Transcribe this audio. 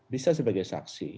bisa sebagai saksi